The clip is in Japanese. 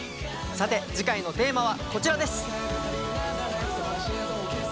さて次回のテーマはこちらです。